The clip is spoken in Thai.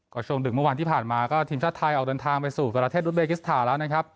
ก็ช่วงดึกเมื่อวานที่ผ่านมาก็ทีมชาติไทยออกเดินทางไปสู่ประเทศรุเบกิสถานแล้วนะครับ